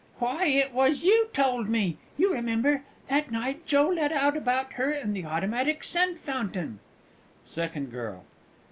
Why, it was you told me! You remember. That night Joe let out about her and the automatic scent fountain. SECOND GIRL.